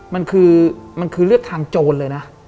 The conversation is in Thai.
มันคือเลือกทางโจรเลยนะ